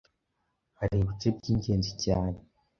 Hari ibice by’ingenzi cyane